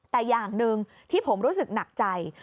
แต่อย่างหนึ่งที่ผมรู้สึกหนักใจ